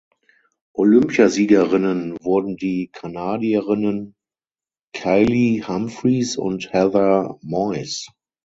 Olympiasiegerinnen wurden die Kanadierinnen Kaillie Humphries und Heather Moyse.